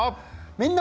「みんな！